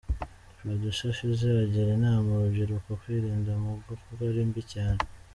Producer Feezy agira inama urubyiruko kwirinda ‘Mugo’ kuko ari mbi cyane.